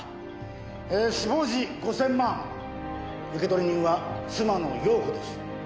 死亡時５千万受取人は妻の容子です。